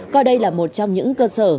coi đây là một trong những cơ sở